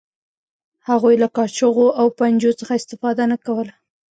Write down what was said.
هغوی له کاچوغو او پنجو څخه استفاده نه کوله.